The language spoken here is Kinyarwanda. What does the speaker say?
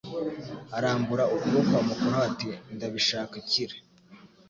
Arambura ukuboko amukoraho ati : "Ndabishaka kira."